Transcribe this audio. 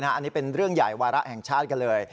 อันนี้เป็นเรื่องใหญ่วาระแห่งชาติกันเลย